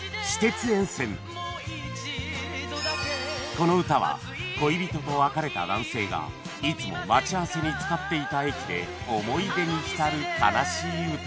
この歌は恋人と別れた男性がいつも待ち合わせに使っていた駅で思い出に浸る悲しい歌